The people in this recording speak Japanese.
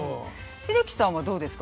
英樹さんはどうですか？